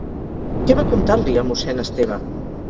Què va contar-li a mossèn Esteve?